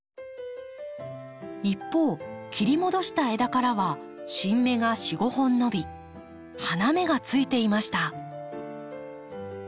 一方切り戻した枝からは新芽が４５本伸び花芽がついていました。